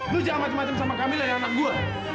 lu jangan macem macem sama kamila yang anak gua